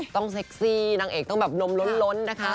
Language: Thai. เซ็กซี่นางเอกต้องแบบนมล้นนะคะ